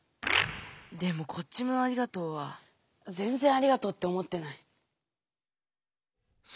でもこっちの「ありがとう」はぜんぜんありがとうって思ってない。